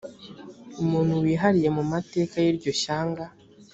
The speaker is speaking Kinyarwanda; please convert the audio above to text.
umuntu wihariye mu mateka y iryo shyanga